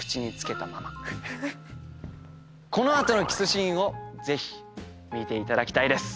この後のキスシーンをぜひ見ていただきたいです。